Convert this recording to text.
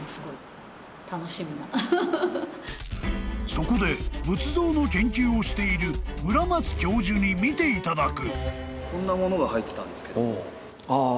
［そこで仏像の研究をしている村松教授に見ていただく］